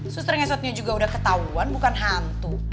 suster ngesotnya juga udah ketahuan bukan hantu